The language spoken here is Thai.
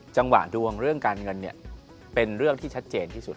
จังหวะดวงเรื่องการเงินเป็นเรื่องที่ชัดเจนที่สุด